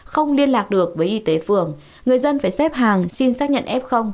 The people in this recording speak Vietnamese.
không liên lạc được với y tế phường người dân phải xếp hàng xin xác nhận f